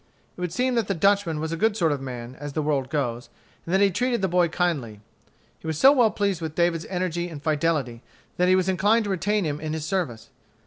It would seem that the Dutchman was a good sort of man, as the world goes, and that he treated the boy kindly. He was so well pleased with David's energy and fidelity, that he was inclined to retain him in his service.